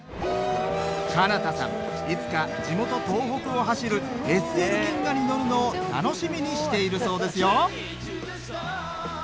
悠太さんいつか地元東北を走るＳＬ銀河に乗るのを楽しみにしているそうですよ